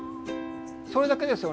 それだけですよね。